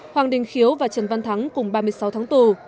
hoàng đình khiếu và trần văn thắng cùng ba mươi sáu tháng tù